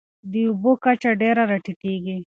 د اوبو کچه ډېره راټیټېږي.